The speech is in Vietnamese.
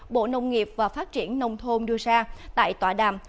bộ nông nghiệp và phát triển nông thôn đưa ra tại tòa đàm